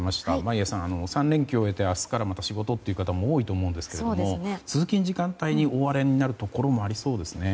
眞家さん、３連休を終えて明日からまた仕事という方も多いと思うんですが通勤時間帯に大荒れになるところもありそうですね。